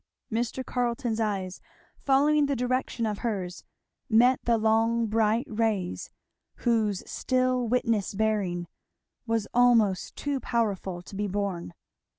Mr. Carleton's eyes, following the direction of hers, met the long bright rays whose still witness bearing was almost too powerful to be borne.